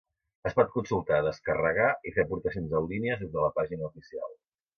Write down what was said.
Es pot consultar, descarregar i fer aportacions en línia des de la pàgina oficial.